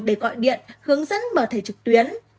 để gọi điện hướng dẫn mở thể trực tuyến